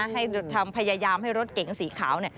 พยายามให้รถเก๋งสีขาว